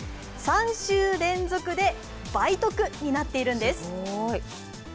３週連続で倍得になっているんです